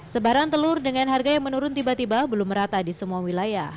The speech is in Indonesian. sebaran telur dengan harga yang menurun tiba tiba belum merata di semua wilayah